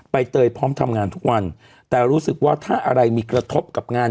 เตยพร้อมทำงานทุกวันแต่รู้สึกว่าถ้าอะไรมีกระทบกับงาน